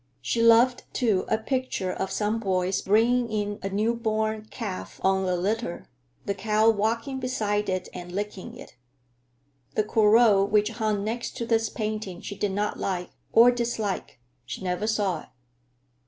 She loved, too, a picture of some boys bringing in a newborn calf on a litter, the cow walking beside it and licking it. The Corot which hung next to this painting she did not like or dislike; she never saw it.